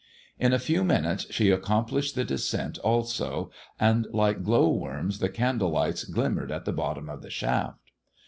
In a few minutes she accomplished the descent also, and like glow worms the candlelights glimmered at the bottom of the shaft.